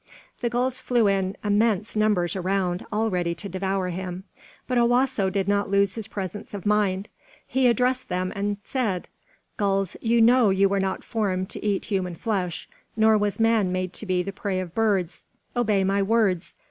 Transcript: The gulls flew in immense numbers around, all ready to devour him, but Owasso did not lose his presence cf mind. He addressed them and said: "Gulls, you know you were not formed to eat human flesh, nor was man made to be the prey of birds. Obey my words.